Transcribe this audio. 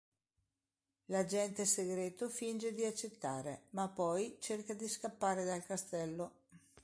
L'agente segreto finge di accettare ma poi cerca di scappare dal castello.